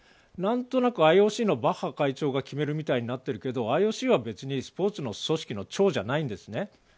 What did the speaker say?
何となくＩＯＣのバッハ会長が決めるみたいになっているけどＩＯＣは別にスポーツの長かないんですね。